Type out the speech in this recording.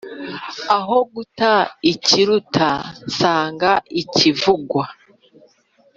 Aho guta ikiruta nsanga ikivugwa.